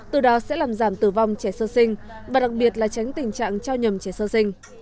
từ đó sẽ làm giảm tử vong trẻ sơ sinh và đặc biệt là tránh tình trạng trao nhầm trẻ sơ sinh